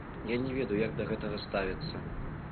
Я не ведаю, як да гэтага ставіцца.